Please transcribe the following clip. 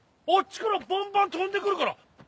あっちからバンバン飛んで来るから。